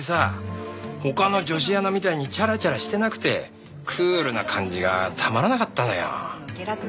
他の女子アナみたいにチャラチャラしてなくてクールな感じがたまらなかったのよ。